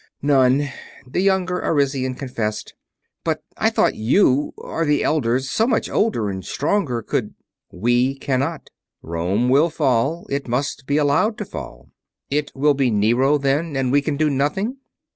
"None," the younger Arisian confessed. "But I thought ... you, or the Elders, so much older and stronger ... could...." "We can not. Rome will fall. It must be allowed to fall." "It will be Nero, then? And we can do nothing?"